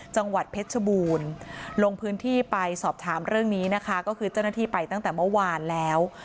จังหวัดเพชรชบูรณ์ลงพื้นที่ไปสอบถามเรื่องนี้นะคะก็คือเจ้าหน้าที่ไปตั้งแต่เมื่อวานแล้ว